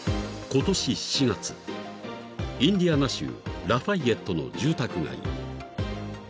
［今年７月インディアナ州ラファイエットの住宅街］